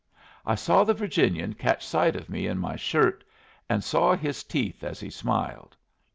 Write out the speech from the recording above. I saw the Virginian catch sight of me in my shirt, and saw his teeth as he smiled.